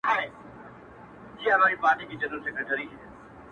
اوس يې ياري كومه ياره مـي ده.